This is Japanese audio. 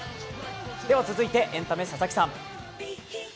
続いてエンタメ、佐々木さん。